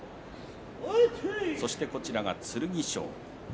そして、剣翔。